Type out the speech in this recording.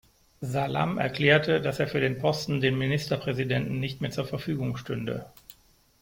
Salam erklärte, dass er für den Posten den Ministerpräsidenten nicht mehr zur Verfügung stünde.